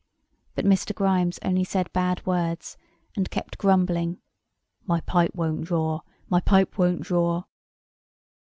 But Mr. Grimes only said bad words; and kept grumbling, "My pipe won't draw. My pipe won't draw."